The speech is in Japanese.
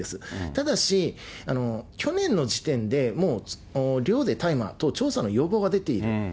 ただし、去年の時点で、もう寮で大麻と調査の要望が出ている。